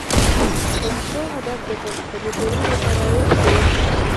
پښتو ادب د پښتني ټولنې آرایش دی.